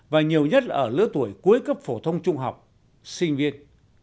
và nhiều nhất là ở lứa tuổi cuối cấp phổ thông trung học sinh viên